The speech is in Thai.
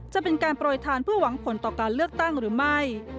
จะเป็นการปล่อยทานเพื่อหวังผลต่อการเลือกตั้งหรือไม่